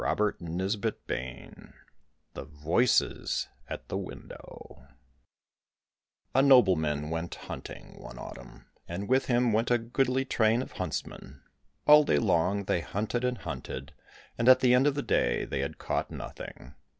45 THE VOICES AT THE WINDOW THE VOICES AT THE WINDOW A NOBLEMAN went hunting one autumn, and with him went a goodly train of huntsmen. All day long they hunted and hunted, and at the end of the day they had caught nothing.